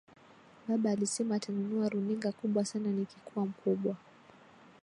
Baba alisema atanunua runinga kubwa sana nikikuwa mkubwa.